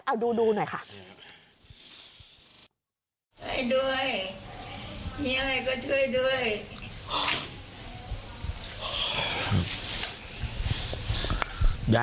เอาดูหน่อยค่ะ